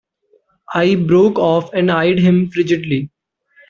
I broke off and eyed him frigidly.